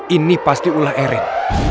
ini pasti ulah erin